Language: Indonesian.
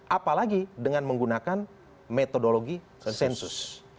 apalagi dengan menggunakan metodologi sensus